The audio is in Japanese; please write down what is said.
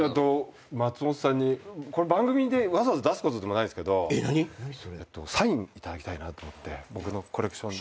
松本さんにこれ番組で出すことでもないんすけどサインいただきたいなと思って僕のコレクション。